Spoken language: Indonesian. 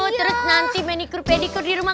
terus nanti menikur padikur di rumah